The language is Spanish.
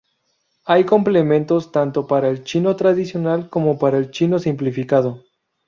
Hay complementos tanto para el chino tradicional como para el chino simplificado.